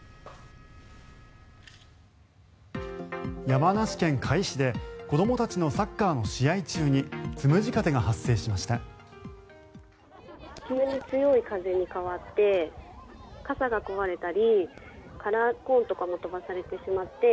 山梨県甲斐市で子どもたちのサッカーの試合中につむじ風が発生しました。